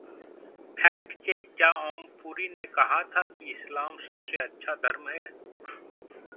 Fact check: क्या ओम पुरी ने कहा था कि इस्लाम सबसे अच्छा धर्म है?